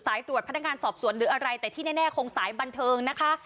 ตรวจพนักงานสอบสวนหรืออะไรแต่ที่แน่คงสายบันเทิงนะคะ